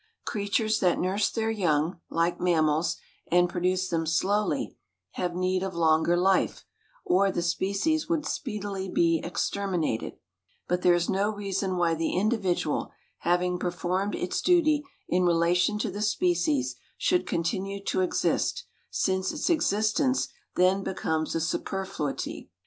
Creatures that nurse their young, like mammals, and produce them slowly, have need of longer life, or the species would speedily be exterminated; but there is no reason why the individual, having performed its duty in relation to the species, should continue to exist, since its existence then becomes a superfluity.